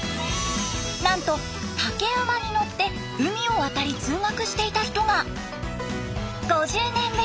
なんと竹馬に乗って海を渡り通学していた人が！